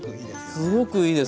すごくいいです。